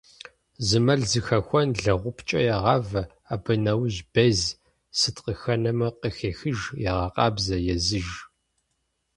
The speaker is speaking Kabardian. Зы мэл зыхэхуэн лэгъупкӏэ егъавэ, абы нэужь без, сыт къыхэнэмэ, къыхехыж, егъэкъабзэ, езыж.